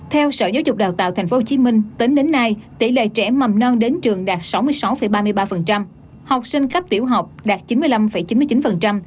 theo sở giáo dục đào tạo tp hcm tính đến nay tỷ lệ trẻ mầm non đến trường đạt sáu mươi sáu ba mươi ba học sinh cấp tiểu học đạt chín mươi năm chín mươi chín